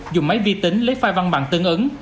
dùng máy vi tính lấy phai văn bằng tương ứng